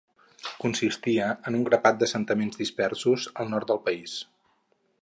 Consistia en un grapat d'assentaments dispersos al nord del país.